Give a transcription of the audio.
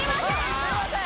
すみません！